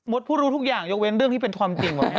ผู้รู้ทุกอย่างยกเว้นเรื่องที่เป็นความจริงหมด